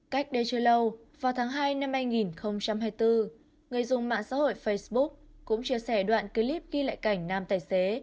cách đây chưa lâu vào tháng hai năm hai nghìn hai mươi bốn người dùng mạng xã hội facebook cũng chia sẻ đoạn clip ghi lại cảnh nam tài xế